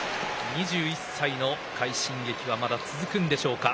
２１歳の快進撃はまだ続くんでしょうか。